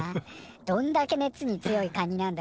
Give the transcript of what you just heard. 「どんだけ熱に強いカニなんだよ」